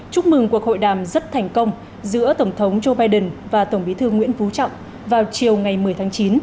chúc mừng cuộc hội đàm rất thành công giữa tổng thống joe biden và tổng bí thư nguyễn phú trọng vào chiều ngày một mươi tháng chín